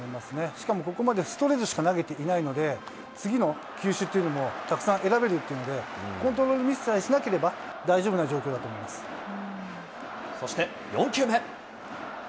しかもここまでストレートしか投げていないので、次の球種っていうのも、たくさん選べるというので、コントロールミスさえしなければ、そして４球目。